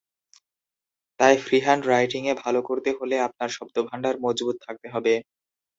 তাই free hand রাইটিংয়ে ভালো করতে হলে আপনার শব্দভান্ডার মজবুত থাকতে হবে।